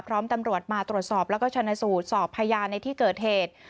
พร้อมตำรวจมาตรวจสอบแล้วก็ชนะสูตรสอบพยานในที่เกิดเหตุ